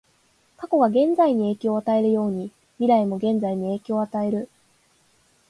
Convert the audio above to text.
過去が現在に影響を与えるように、未来も現在に影響を与える。